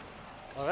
あれ？